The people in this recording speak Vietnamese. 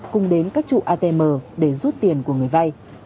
cùng đến các trụ atm để rút tiền của người vay